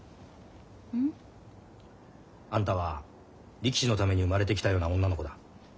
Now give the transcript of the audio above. うん？あんたは力士のために生まれてきたような女の子だ。